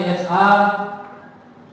ke dalam mobil